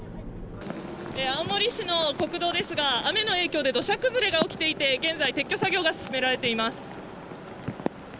青森市の国道ですが雨の影響で土砂崩れが起きていて現在撤去作業が進められています。